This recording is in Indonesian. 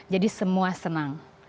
jadi semua senang